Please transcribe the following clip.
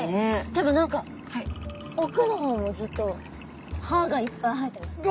でも何か奥の方もずっと歯がいっぱい生えてますね。